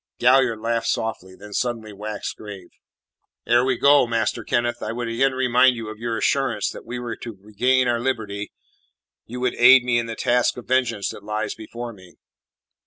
Galliard laughed softly; then suddenly waxed grave. "Ere we go, Master Kenneth, I would again remind you of your assurance that were we to regain our liberty you would aid me in the task of vengeance that lies before me."